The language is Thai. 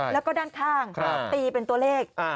แล้วก็ด้านข้างตีเป็นตัวเลข